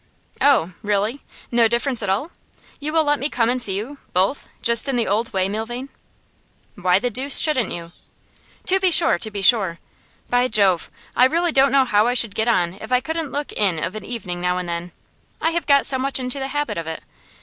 'Oh? Really? No difference at all? You will let me come and see you both just in the old way, Milvain?' 'Why the deuce shouldn't you?' 'To be sure, to be sure. By Jove! I really don't know how I should get on if I couldn't look in of an evening now and then. I have got so much into the habit of it.